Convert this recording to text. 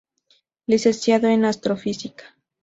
Licenciado en Astrofísica.